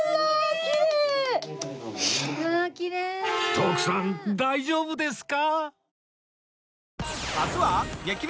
徳さん大丈夫ですか？